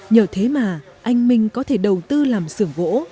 nhờ thế mà anh minh có thể đầu tư làm sưởng gỗ